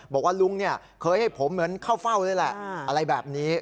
บอกว่าลุงเนี่ยเคยให้ผมเหมือนเข้าเฝ้าเลยแหละอะไรแบบนี้